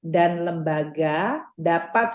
dan lembaga dapat